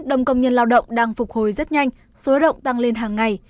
đồng công nhân lao động đang phục hồi rất nhanh số động tăng lên hàng ngày